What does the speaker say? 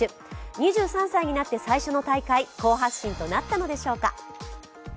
２３歳になって最初の大会、好発進となったのでしょうか。